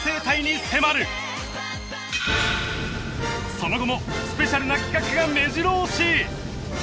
その後もスペシャルな企画がめじろ押し！